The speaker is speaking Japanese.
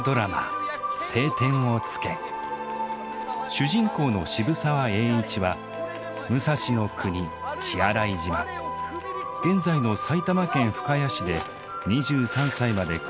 主人公の渋沢栄一は武蔵国・血洗島現在の埼玉県深谷市で２３歳まで暮らしていました。